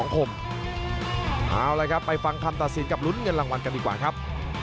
เอาละครับไปฟังคำตัดสินกับลุ้นเงินรางวัลกันดีกว่าครับ